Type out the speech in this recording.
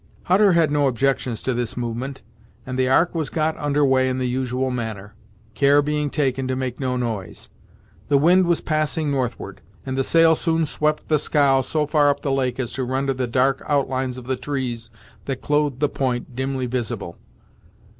Hutter had no objections to this movement, and the Ark was got under way in the usual manner; care being taken to make no noise. The wind was passing northward, and the sail soon swept the scow so far up the lake as to render the dark outlines of the trees that clothed the point dimly visible.